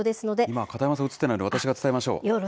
今、片山さん映ってないので、私が伝えましょう。